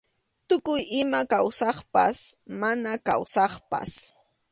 Tukuy ima kawsaqpas mana kawsaqpas.